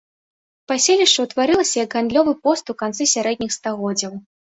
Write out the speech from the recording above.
Паселішча ўтварылася як гандлёвы пост у канцы сярэдніх стагоддзяў.